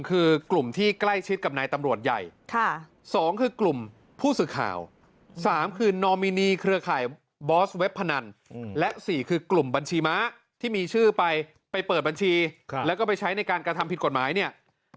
๑คือกลุ่มที่ใกล้ชิดกับนายตำรวจใหญ่